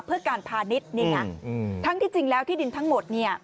เพื่อการพานิษฐ์ทั้งที่จริงแล้วที่ดินทั้งหมด